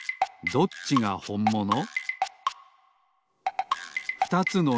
どっちがほんもの？